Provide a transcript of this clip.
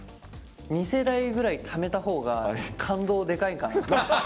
２世代ぐらいためたほうが感動でかいかな。